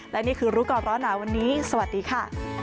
และนี่คือรู้ก่อนร้อนหนาวันนี้สวัสดีค่ะ